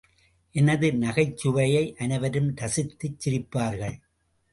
எனது நகைச்சுவையை அனைவரும் ரசித்துச் சிரிப்பார்கள்.